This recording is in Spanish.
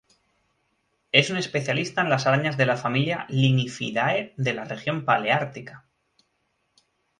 Es un especialista en las arañas de la familia Linyphiidae de la región paleártica.